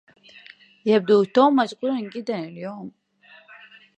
يبدو توم مشغولا جدا اليوم.